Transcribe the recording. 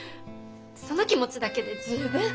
その気持ちだけで十分。